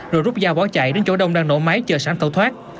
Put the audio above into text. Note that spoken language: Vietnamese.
rồi rút dao bó chạy đến chỗ đông đang nổ máy chờ sáng thẩu thoát